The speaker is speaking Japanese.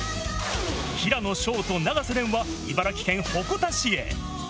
平野紫燿と永瀬廉は、茨城県鉾田市へ。